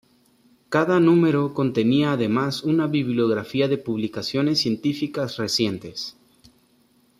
Cada número contenía además una bibliografía de publicaciones científicas recientes.